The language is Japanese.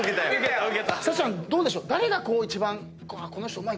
日咲ちゃんどうでしょう？